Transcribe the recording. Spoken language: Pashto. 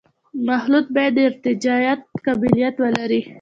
مخلوط باید د ارتجاعیت قابلیت ولري